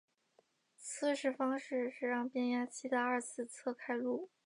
测试方式是让变压器的二次侧开路。